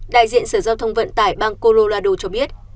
đại diện sở giao thông vận tải bang colorado cho biết